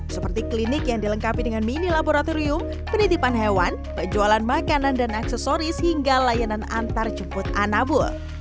seperti klinik yang dilengkapi dengan mini laboratorium penitipan hewan penjualan makanan dan aksesoris hingga layanan antarjemput anabul